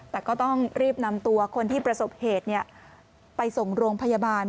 แต่ก็ต้องรีบนำตัวคนที่ประสบเหตุไปส่งโรงพยาบาล